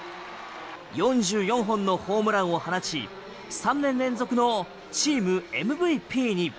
４４本のホームランを放ち３年連続のチームＭＶＰに。